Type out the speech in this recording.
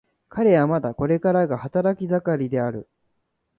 彼はまだこれからが働き盛りである。